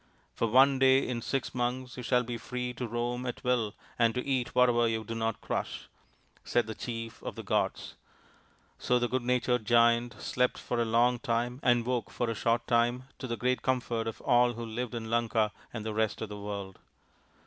44 THE INDIAN STORY BOOK " For one day in six months you shall be free to roam at will and to eat whatever you do not crush/' said the chief of the gods. So the good natured Giant slept for a long time and woke for a short time, to the great comfort of all who lived in Lanka and the rest of the world.